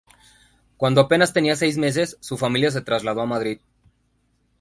Cuando apenas tenía seis meses, su familia se trasladó a Madrid.